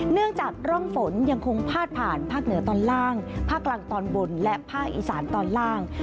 เนื่องจากร่องฝนยังคงพาดผ่านภาคเหนือตอนล่างภาคกลางตอนบนและภาคอีสานตอนล่าง